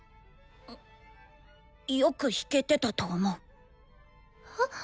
よく弾けてたと思う。